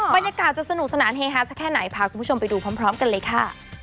บรรยากาศจะสนุกสนานเฮฮาสักแค่ไหนพาคุณผู้ชมไปดูพร้อมกันเลยค่ะ